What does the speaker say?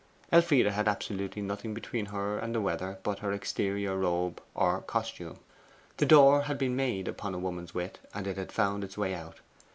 Elfride had absolutely nothing between her and the weather but her exterior robe or 'costume.' The door had been made upon a woman's wit, and it had found its way out.